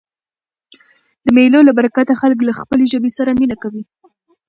د مېلو له برکته خلک له خپلي ژبي سره مینه کوي.